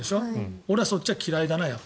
俺はそっちは嫌いだな。